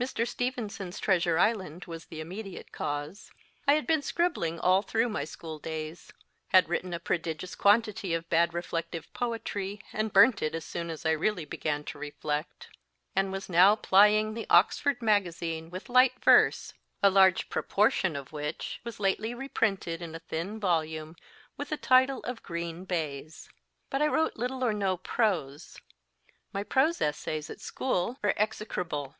Mr. Stevenson s Treasure Island was the immediate cause. I had been scribbling all through my school days ; had written a prodigious quantity of bad reflective poetry and burnt it as soon as I really began to reflect ; and was now plying the Oxford Magazine with light verse, a large proportion of which was lately reprinted in a thin volume, with the title of Green Bays. But I wrote little or no prose. My prose essays at school were execrable.